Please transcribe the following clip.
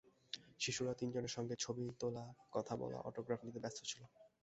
শিশুরা তিনজনের সঙ্গে ছবি তোলা, কথা বলা, অটোগ্রাফ নিতে ব্যস্ত ছিল।